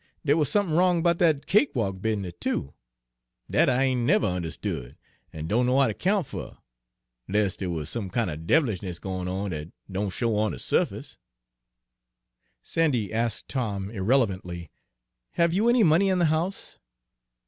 Dere wuz somethin' wrong 'bout dat cakewalk business, too, dat I ain' never unde'stood an' don' know how ter 'count fer, 'less dere wuz some kin' er dev'lishness goin' on dat don' show on de su'face." "Sandy," asked Tom irrelevantly, "have you any money in the house?"